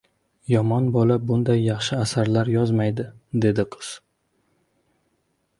— Yomon bola bunday yaxshi asarlar yozolmaydi, — dedi qiz.